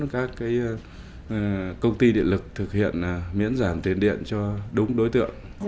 các công ty điện lực thực hiện miễn giảm tiền điện cho đúng đối tượng